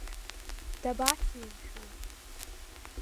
Дабацеи, мшәан!